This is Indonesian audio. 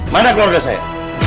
mana keluarga saya